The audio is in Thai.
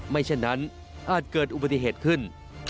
เช่นนั้นอาจเกิดอุบัติเหตุขึ้น